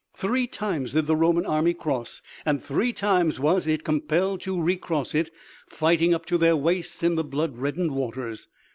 Three times did the Roman army cross, and three times was it compelled to recross it, fighting up to their waists in the blood reddened waters.